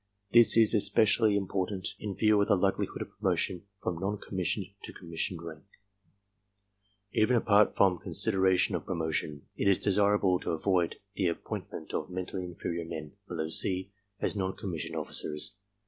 This is especially im portant in view of the likelihood of promotion from non com missioned to commissioned rank. Even apart from considera tions of promotion, it is desirable to avoid the appointment of mentally inferior men (below C) as non commissioned officers.